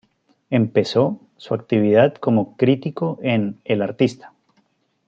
Empezó su actividad como crítico en "El Artista".